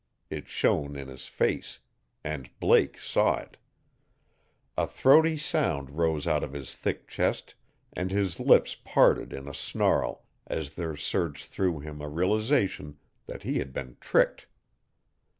It shone in his face. And Blake saw it. A throaty sound rose out of his thick chest and his lips parted in a snarl as there surged through him a realization that he had been tricked.